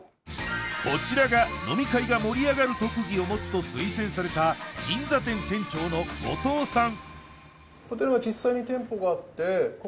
こちらが飲み会が盛り上がる特技を持つと推薦された銀座店店長の後藤さん